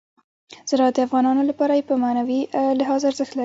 زراعت د افغانانو لپاره په معنوي لحاظ ارزښت لري.